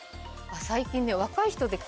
最近ね。